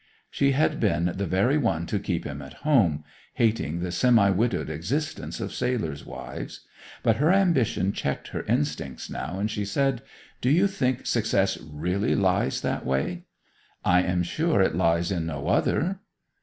She had been the very one to keep him at home, hating the semi widowed existence of sailors' wives. But her ambition checked her instincts now, and she said: 'Do you think success really lies that way?' 'I am sure it lies in no other.